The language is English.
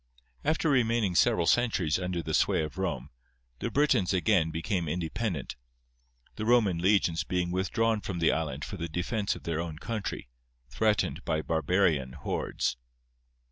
After remaining several centuries under the sway of Rome, the Britons again became independent, the Roman legions being withdrawn from the island for the defence of their own country, threatened by barbarian hordes.